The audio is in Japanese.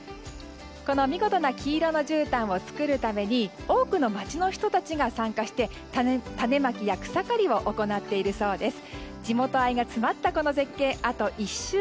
この見事な黄色のじゅうたんを作るために多くの町の人たちが参加して種まきや草刈りを行っているそうです。